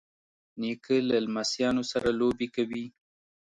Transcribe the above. نیکه له لمسیانو سره لوبې کوي.